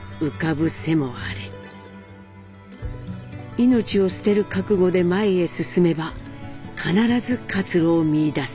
命を捨てる覚悟で前へ進めば必ず活路を見いだせる。